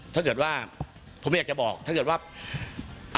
ถ้าเกิดว่าผมอยากจะบอกถ้าเกิดว่า